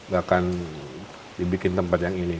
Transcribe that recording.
gak akan dibikin tempat yang ini